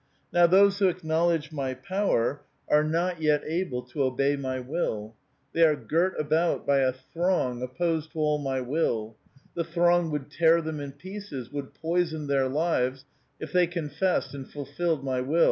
Now, those who acknowledge my power, are not yet 874 A VITAL QUESTION. able to obey my will. Tliey are girt about by a throng op posed to all my will. The throng would tear them in pieces, would poison their lives, if they confessed and fulfilled my will.